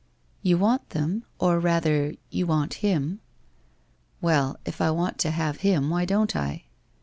'' You want them, or rather you want him.' ' Well, if I want to have him, why don't I?